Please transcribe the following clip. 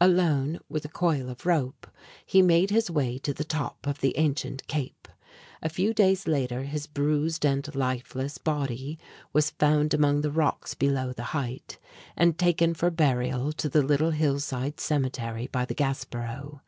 Alone, with a coil of rope, he made his way to the top of the ancient cape. A few days later his bruised and lifeless body was found among the rocks below the height, and taken for burial to the little hillside cemetery by the Gaspereau.